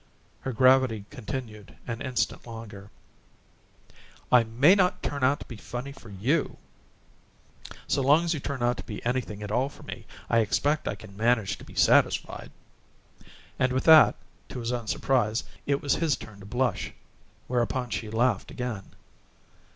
Her gravity continued an instant longer. "I may not turn out to be funny for YOU." "So long as you turn out to be anything at all for me, I expect I can manage to be satisfied." And with that, to his own surprise, it was his turn to blush, whereupon she laughed again.